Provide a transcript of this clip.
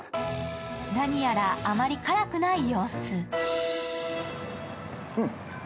何やらあまり辛くない様子。